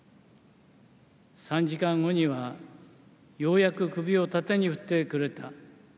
３時間後には、ようやく首を縦に振ってくれた。